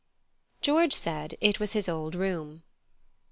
George said it was his old room.